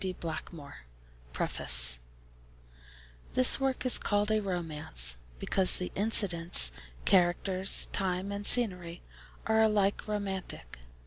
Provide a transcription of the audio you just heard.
D. Blackmore Preface This work is called a 'romance,' because the incidents, characters, time, and scenery, are alike romantic.